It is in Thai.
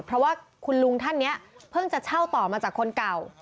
เพราะว่าคุณลุงท่านนี้เพิ่งจะเช่าต่อมาจากคนเก่า